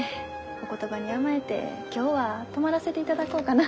お言葉に甘えて今日は泊まらせていただこうかな。